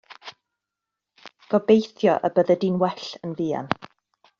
Gobeithio y byddi di'n well yn fuan.